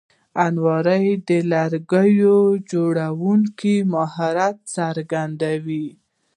الماري د لرګیو جوړوونکي مهارت څرګندوي